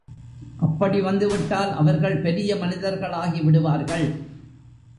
அப்படி வந்துவிட்டால் அவர்கள் பெரிய மனிதர்களாகி விடுவார்கள்.